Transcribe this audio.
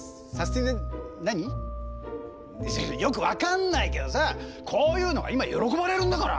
よく分かんないけどさこういうのが今喜ばれるんだから。